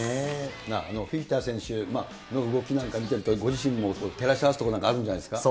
フィフィタ選手の動きなんか見てると、ご自身も照らし合わせることなんかあるんじゃないですか。